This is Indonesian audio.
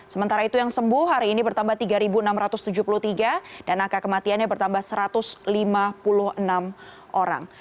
sementara itu yang sembuh hari ini bertambah tiga enam ratus tujuh puluh tiga dan angka kematiannya bertambah satu ratus lima puluh enam orang